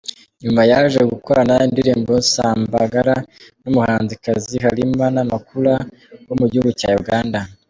Nyuma yaje gukorana indirimbo Sambagala n’umuhanzikazi Halima Namakula wo mu gihugu cya Uganda.